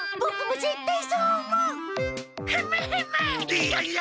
いやいや！